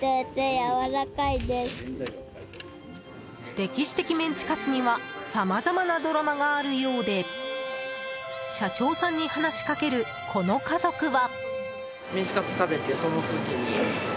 歴史的メンチカツにはさまざまなドラマがあるようで社長さんに話しかけるこの家族は。